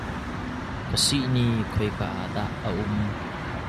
Ka sihni khoi ka ah dah a um?